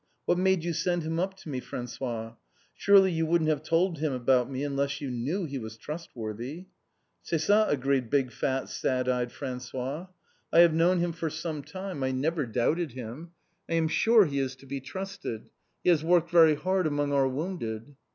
"What made you send him up to me, François? Surely you wouldn't have told him about me unless you knew he was trustworthy!" "C'est ça!" agreed big, fat, sad eyed François. "I have known him for some time. I never doubted him. I am sure he is to be trusted. He has worked very hard among our wounded."